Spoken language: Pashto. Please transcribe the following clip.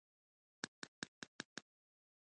یوه کارګر په خندا ورته وویل چې عجب ښایسته شوی یې